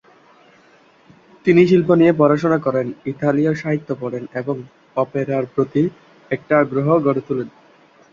তিনি শিল্প নিয়ে পড়াশুনা করেন, ইতালিয় সাহিত্য পড়েন এবং অপেরার প্রতি একটা আগ্রহ গড়ে তোলেন।